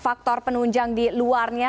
faktor penunjang di luarnya